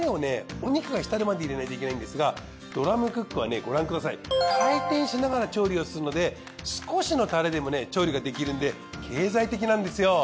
お肉が浸るまで入れないといけないんですがドラムクックはねご覧ください回転しながら調理をするので少しのたれでもね調理ができるんで経済的なんですよ。